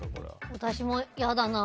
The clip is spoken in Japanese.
私も嫌だな。